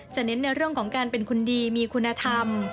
เน้นในเรื่องของการเป็นคนดีมีคุณธรรม